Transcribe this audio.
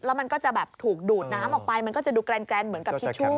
แล้วมันก็จะแบบถูกดูดน้ำออกไปมันก็จะดูแกรนเหมือนกับทิชชู่